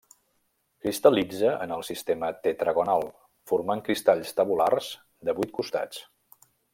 Cristal·litza en el sistema tetragonal, formant cristalls tabulars de vuit costats.